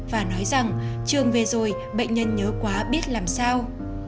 và nói rằng trường về rồi bệnh nhân nhớ quá biết làm sao